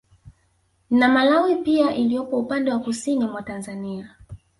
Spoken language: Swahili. Na malawi pia iliyopo upande wa Kusini mwa Tanzania